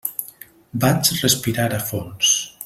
Vaig respirar a fons.